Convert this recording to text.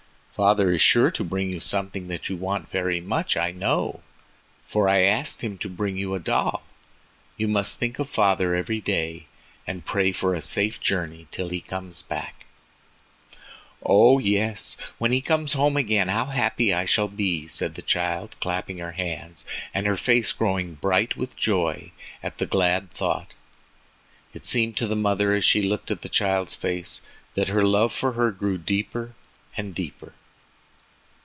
"Father is sure to bring you something that you want very much. I know, for I asked him to bring you a doll. You must think of father every day, and pray for a safe journey till he comes back." "O, yes, when he comes home again how happy I shall be," said the child, clapping her hands, and her face growing bright with joy at the glad thought. It seemed to the mother as she looked at the child's face that her love for her grew deeper and deeper.